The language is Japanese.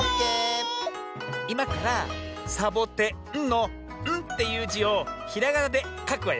いまからさぼてんの「ん」っていう「じ」をひらがなでかくわよ。